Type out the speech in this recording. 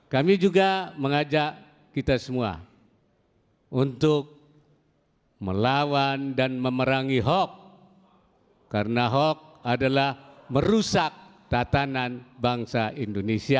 kami juga mengajak kita semua untuk melawan dan memerangi hoax karena hoax adalah merusak tatanan bangsa indonesia